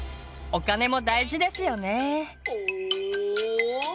お金も大事ですよね。